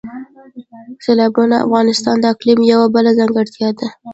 سیلابونه د افغانستان د اقلیم یوه بله ځانګړتیا ده.